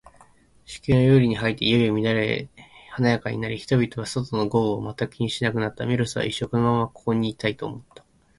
祝宴は、夜に入っていよいよ乱れ華やかになり、人々は、外の豪雨を全く気にしなくなった。メロスは、一生このままここにいたい、と思った。